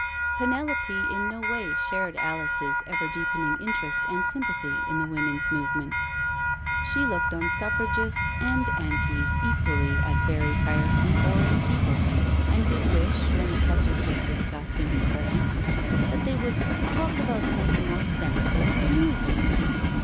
Penelope in no way shared Alice's ever deepening interest and sympathy in the Woman's Move ment. She looked on Suffragists and " Antis " equally as very tiresome, boring people, and did wish, when the subject was discussed in her presence, that they would " talk about something more sensible and amusing."